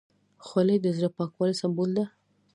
خولۍ د زړه پاکوالي سمبول ده.